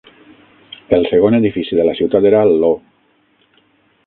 El segon edifici de la ciutat era l'O.